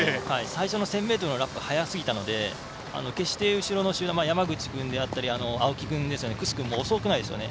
最初の１０００ｍのラップが早すぎたので決して後ろの集団山口君であったり青木君、楠君も遅くないですよね。